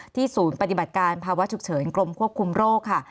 ศูนย์ปฏิบัติการภาวะฉุกเฉินกรมควบคุมโรคค่ะ